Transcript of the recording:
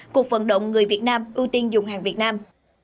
cuộc vận động người việt nam ưu tiên dùng hàng việt nam